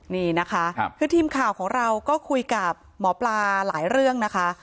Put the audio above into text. นี่นะคะคือทีมข่าวของเราก็คุยกับหมอปลาหลายเรื่องนะคะ